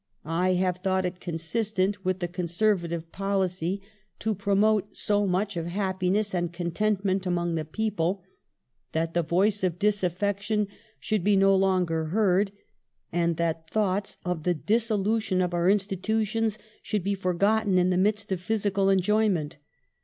... I have thought it consistent with the Conservative policy to promote so much of happiness and contentment among the people, that the voice of disaffection should be no longer heard, and that thoughts of the dissolution of our institutions should be forgotten in the midst of physical enjoyment.